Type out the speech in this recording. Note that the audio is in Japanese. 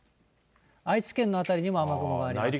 愛知県の辺りにも雨雲があります。